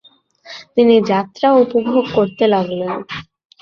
তিনি যাত্রা উপভোগ করতে লাগলেন।